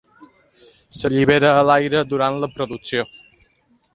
S'allibera a l'aire durant la producció.